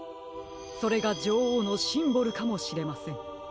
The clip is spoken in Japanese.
それがじょおうのシンボルかもしれません。